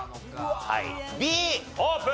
はいＢオープン！